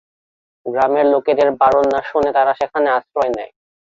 গ্রামের লোকেদের বারণ না শুনে তারা সেখানে আশ্রয় নেয়।